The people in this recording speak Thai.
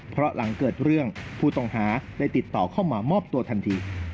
เพราะหลังเกิดเรื่องผู้ต้องหาได้ติดต่อเข้ามามอบตัวทันที